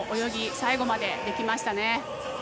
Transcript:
最後までできましたね。